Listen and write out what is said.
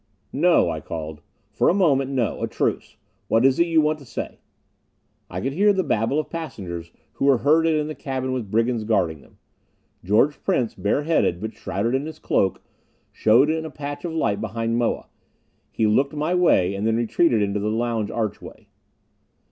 "No," I called. "For a moment, no. A truce. What is it you want to say?" I could hear the babble of passengers who were herded in the cabin with brigands guarding them. George Prince, bareheaded, but shrouded in his cloak, showed in a patch of light behind Moa. He looked my way and then retreated into the lounge archway.